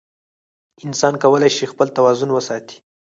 انسان کولی شي خپل توازن وساتي.